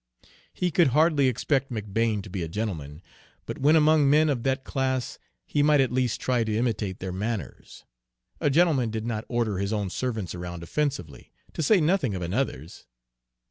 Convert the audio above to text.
He could hardly expect McBane to be a gentleman, but when among men of that class he might at least try to imitate their manners. A gentleman did not order his own servants around offensively, to say nothing of another's.